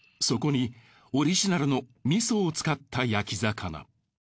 そこにオリジナルの味噌を使った焼き魚。